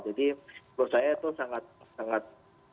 jadi menurut saya itu sangat